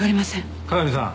加賀美さん。